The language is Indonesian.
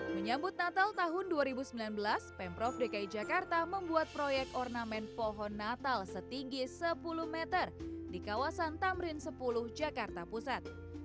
menyambut natal tahun dua ribu sembilan belas pemprov dki jakarta membuat proyek ornamen pohon natal setinggi sepuluh meter di kawasan tamrin sepuluh jakarta pusat